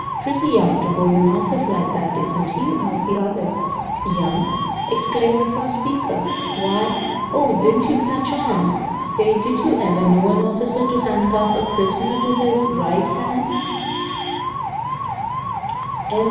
"Pretty young to hold an office like that, isn't he?" asked the other. "Young!" exclaimed the first speaker, "why Oh! didn't you catch on? Say did you ever know an officer to handcuff a prisoner to his ~right~ hand?"